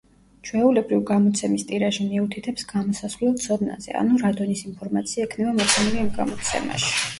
ჩვეულებრივ გამოცემის ტირაჟი მიუთითებს გამოსასვლელ ცოდნაზე, ანუ რა დონის ინფორმაცია იქნება მოცემული ამ გამოცემაში.